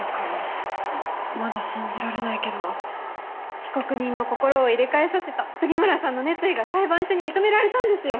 被告人の心を入れ替えさせた杉村さんの熱意が裁判所に認められたんですよ。